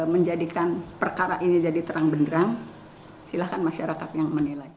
menjadikan perkara ini jadi terang benderang